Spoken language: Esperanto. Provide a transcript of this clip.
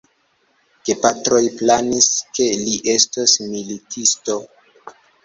Gepatroj planis, ke li estos militisto.